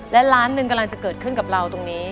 และล้านหนึ่งกำลังจะเกิดขึ้นกับเราตรงนี้